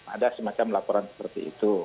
ada semacam laporan seperti itu